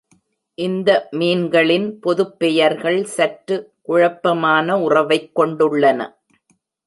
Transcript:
இந்த மீன்களின் பொதுப்பெயர்கள் சற்று குழப்பமான உறவைக் கொண்டுள்ளன.